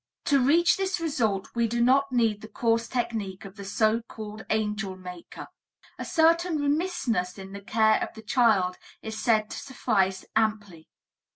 To reach this result we do not need the coarse technique of the so called angel maker. A certain remissness in the care of the child is said to suffice amply.